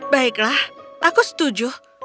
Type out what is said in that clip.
baiklah aku setuju